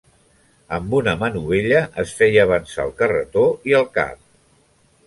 Amb una manovella es feia avançar el carretó i el cap.